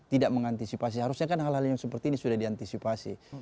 tidak mengantisipasi harusnya kan hal hal yang seperti ini sudah diantisipasi